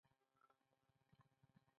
هغه به په هر کار کې له ناکامۍ سره مخ کېده